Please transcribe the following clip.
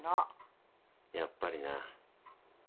やっぱりな。